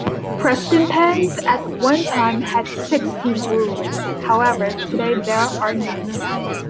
Prestonpans at one time had sixteen breweries however, today there are none.